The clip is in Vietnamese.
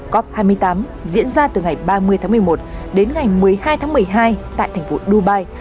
cop hai mươi tám diễn ra từ ngày ba mươi tháng một mươi một đến ngày một mươi hai tháng một mươi hai tại thành phố dubai